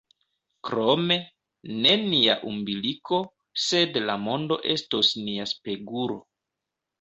Krome, ne nia umbiliko, sed la mondo estos nia spegulo.